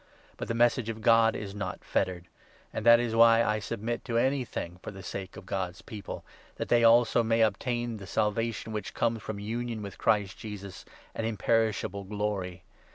But the Message of God is not fettered ; and that is why I 10 submit to anything for the sake of God's People, that they also may obtain the Salvation which comes from union with Christ Jesus, and imperishable glory.